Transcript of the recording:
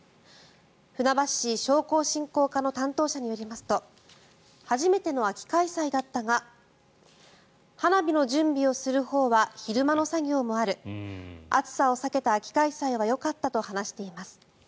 船橋市商工振興課の担当者によりますと初めての秋開催だったが花火の準備をするほうは昼間の作業もある暑さを避けた秋開催はよかったと話しています。